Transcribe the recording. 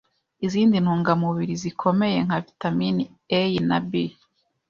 izindi ntungamubiri zikomeye nka vitamines A, na B,